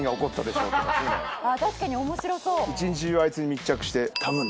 ああ確かに面白そう。